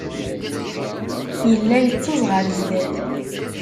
Yella yettaẓ ɣer sdat.